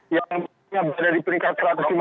yang berada di peringkat satu ratus lima puluh